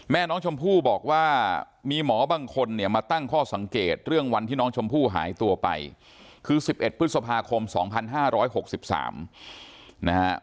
แม่น้องชมพู่บอกว่ามีหมอบางคนเนี่ยมาตั้งข้อสังเกตเรื่องวันที่น้องชมพู่หายตัวไปคือ๑๑พฤษภาคม๒๕๖๓นะฮะ